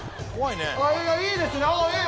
いいですね！